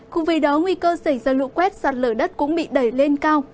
cũng vì đó nguy cơ xảy ra lụ quét sạt lở đất cũng bị đẩy lên cao